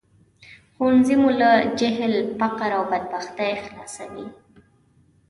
ښوونځی مو له جهل، فقر او بدبختۍ خلاصوي